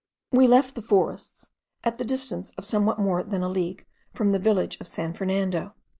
We left the forests, at the distance of somewhat more than a league from the village of San Fernando.